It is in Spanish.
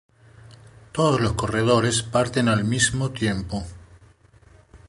Todos los corredores parten al mismo tiempo.